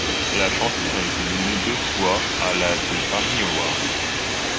La chanson a été nommée deux fois à la des Grammy Awards.